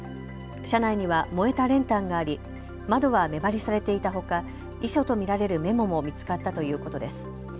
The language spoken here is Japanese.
車内には燃えた練炭があり窓は目張りされていたほか遺書と見られるメモも見つかったということです。